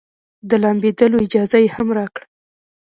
د لامبېدلو اجازه يې هم راکړه.